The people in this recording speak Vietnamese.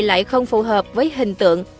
lại không phù hợp với hình tượng